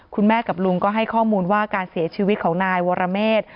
กับลุงก็ให้ข้อมูลว่าการเสียชีวิตของนายวรเมษ